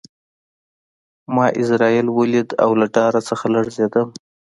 ما عزرائیل ولید او له ډار څخه لړزېدم